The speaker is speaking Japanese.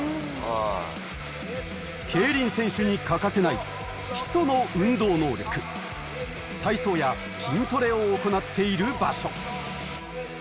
競輪選手に欠かせない基礎の運動能力体操や筋トレを行っている場所